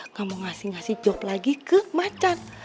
nggak mau ngasih ngasih job lagi ke macan